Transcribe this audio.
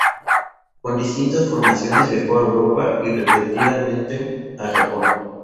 Con distintas formaciones viajó a Europa y repetidamente a Japón.